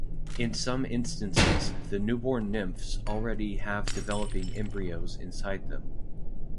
In some instances, the newborn nymphs already have developing embryos inside them.